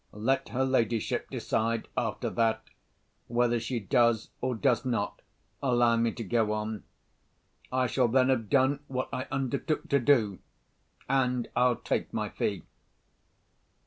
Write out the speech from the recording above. Let her ladyship decide, after that, whether she does, or does not, allow me to go on. I shall then have done what I undertook to do—and I'll take my fee."